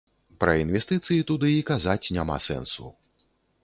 Пра інвестыцыі туды і казаць няма сэнсу.